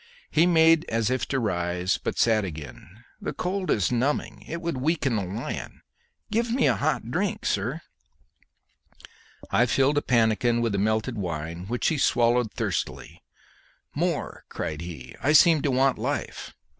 He made as if to rise, but sat again. "The cold is numbing; it would weaken a lion. Give me a hot drink, sir." I filled a pannikin with the melted wine, which he swallowed thirstily. "More!" cried he. "I seem to want life."